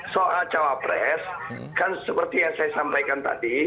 soal cawapres kan seperti yang saya sampaikan tadi